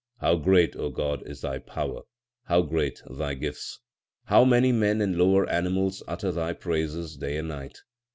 How great, O God, is Thy power ! how great Thy gifts ! How many men and lower animals utter Thy praises day and night